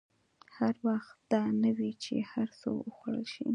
هر وخت دا نه وي چې هر څه وخوړل شي.